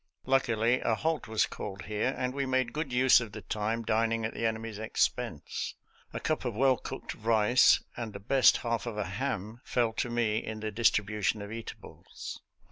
Luckily, a halt was called here, and we made good use of the time dining at the enemy's expense. A cup of well cooked rice and the best half of a ham fell to me in the distribution of eatables.